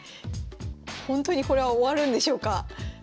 ほんとにこれは終わるんでしょうか？